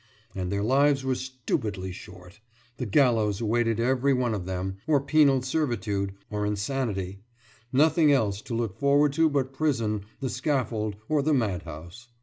And their lives were stupidly short the gallows awaited every one of them, or penal servitude, or insanity nothing else to look forward to but prison, the scaffold, or the madhouse.